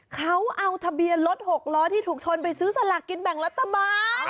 เขาเอาทะเบียนรถหกล้อที่ถูกชนไปซื้อสลากกินแบ่งรัฐบาล